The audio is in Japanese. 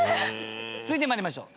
続いて参りましょう。